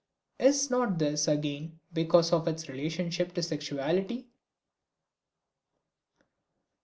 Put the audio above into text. Is not this again because of its relationship to sexuality?